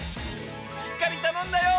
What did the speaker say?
しっかり頼んだよ！